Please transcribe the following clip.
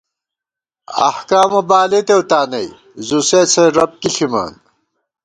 احکامہ بالېتېؤ تانَئ ، زُوسَسِیَہ رب کی ݪِمان